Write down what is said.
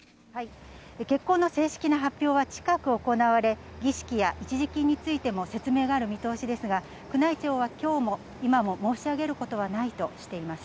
結婚の正式な発表は近く行われ、儀式や一時金についても説明がある見通しですが、宮内庁はきょうも、今も申し上げることはないとしています。